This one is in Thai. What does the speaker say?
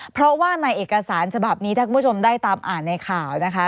เพราะว่าในเอกสารฉบับนี้ถ้าคุณผู้ชมได้ตามอ่านในข่าวนะคะ